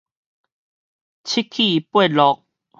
七起八落